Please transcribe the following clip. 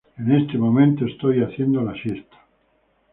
En este momento estoy haciendo la siesta.